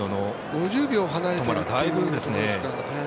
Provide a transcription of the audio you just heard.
５０秒離れているということですからね。